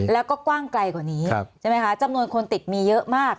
แล้วก็กว้างไกลกว่านี้ใช่ไหมคะจำนวนคนติดมีเยอะมาก